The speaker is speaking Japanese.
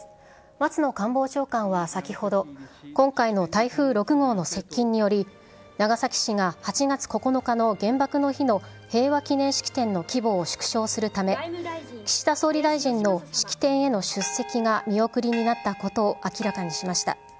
松野官房長官は先ほど、今回の台風６号の接近により、長崎市が８月９日の原爆の日の平和祈念式典の規模を縮小するため、岸田総理大臣の式典への出席が見送りになったことを明らかにしました。